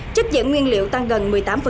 chất dưỡng nguyên liệu tăng gần một mươi tám